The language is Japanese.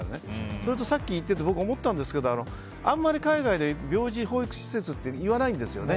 それとさっき言ってて僕思ったんですけどあんまり海外で病児保育施設って言わないんですよね。